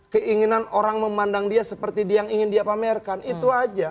keinginan orang memandang dia seperti dia yang ingin dia pamerkan itu aja